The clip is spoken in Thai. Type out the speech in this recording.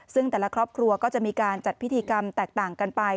ซึ่งแต่ละครอบครัวก็จะมีการจัดพิธีกรรมแตกต่างกันไป